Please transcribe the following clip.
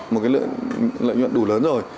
một cái lợi nhuận đủ lớn rồi